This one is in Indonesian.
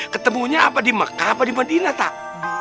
ketemunya apa di mekah apa di madina tak